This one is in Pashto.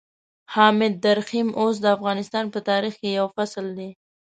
حامد درخيم اوس د افغانستان په تاريخ کې يو فصل دی.